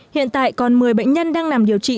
hiện tại còn một mươi bệnh nhân đang nằm điều trị